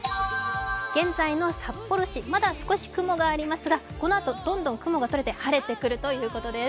現在の札幌市、まだ少し雲がありますがこのあと、どんどん雲が取れて晴れてくるということです。